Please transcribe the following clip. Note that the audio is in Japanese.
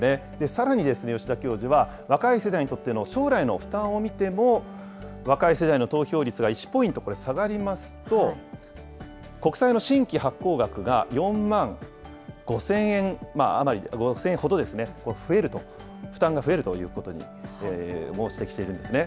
さらに吉田教授は、若い世代にとっての将来の負担を見ても、若い世代の投票率が１ポイント下がりますと、国債の新規発行額が４万５０００円ほど増えると、負担が増えるということも指摘しているんですね。